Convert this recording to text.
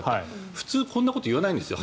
普通こんなことは言わないんですよ。